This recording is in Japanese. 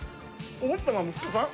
お坊ちゃま息子さん？